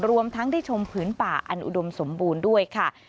รวมทั้งได้ชมผืนป่าอันอุดมสมบูรณ์ด้วยค่ะ